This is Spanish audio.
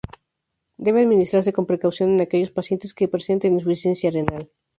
Debe administrarse con precaución en aquellos pacientes que presenten insuficiencia renal.